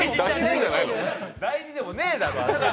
第２でもねえだろ。